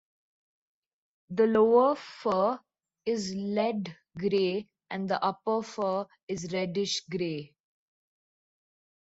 The lower fur is lead-grey and the upper fur is reddish-grey.